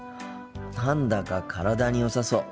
何だか体によさそう。